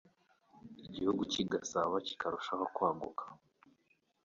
igihugu cy'I Gasabo kikarushaho kwaguka.